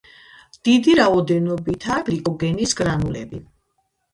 დიდი რაოდენობითაა გლიკოგენის გრანულები.